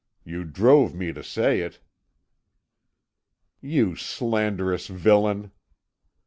You drove me to say it." "You slanderous villain!"